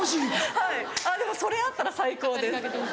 はいでもそれあったら最高です。